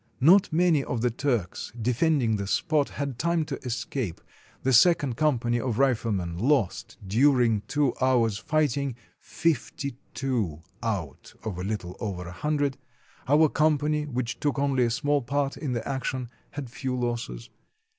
Not many of the Turks defending the spot had time to escape. The second company of riflemen lost, during two hours' fighting, fifty two out of a Httle over a hundred; our com 215 RUSSIA pany, which took only a small part in the action, had few losses.